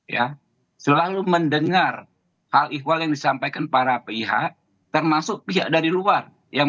ya selalu mendengar hal ihwal yang disampaikan para pihak termasuk pihak dari luar yang